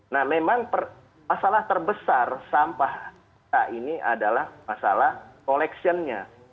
nah memang masalah terbesar sampah kita ini adalah masalah collection nya